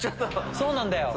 そうなんだよ。